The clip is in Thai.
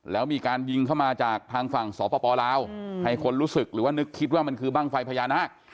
แล้วมีการยิงเข้ามาจากทางฝั่งสปลาวให้คนรู้สึกหรือว่านึกคิดว่ามันคือบ้างไฟพญานาค